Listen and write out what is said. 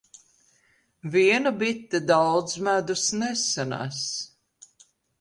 Viena bite daudz medus nesanes.